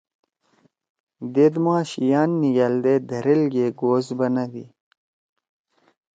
دیت ما شِیان نھگألدے دھریل گے گوس بنَدی۔